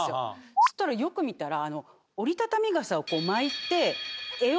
そしたらよく見たら。